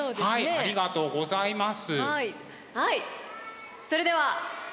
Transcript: ありがとうございます。